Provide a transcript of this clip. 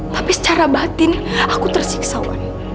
tapi secara batin aku tersiksa wani